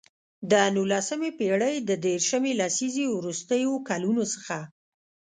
د نولسمې پېړۍ د دیرشمې لسیزې وروستیو کلونو څخه.